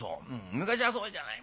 昔はそうじゃないもん。